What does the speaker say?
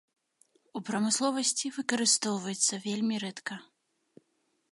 У прамысловасці выкарыстоўваецца вельмі рэдка.